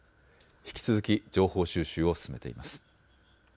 引き続き情報収集を進めています。